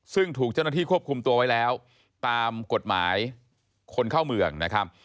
ซึ่งถูกเจ้าหน้าที่ควบคุมตัวไว้แล้วตามกฎหมายคนเข้าเมืองนะครับ